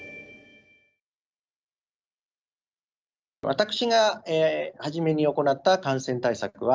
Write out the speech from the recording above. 私が初めに行った感染対策は